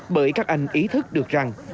bởi các anh ý thức được rằng